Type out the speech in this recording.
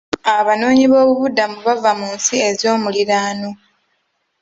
Abanoonyiboobubudamu bava mu nsi ezoomuliraano.